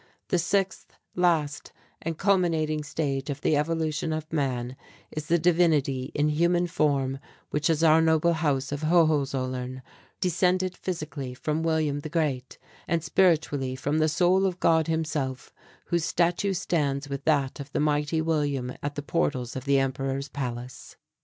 The sixth, last and culminating stage of the evolution of man is the Divinity in human form which is our noble House of Hohenzollern, descended physically from William the Great, and spiritually from the soul of God Himself, whose statue stands with that of the Mighty William at the portals of the Emperor's palace."